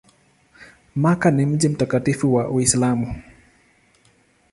Makka ni mji mtakatifu wa Uislamu.